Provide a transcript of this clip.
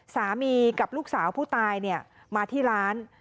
สามีกับลูกสาวผู้ตายมาที่ร้าน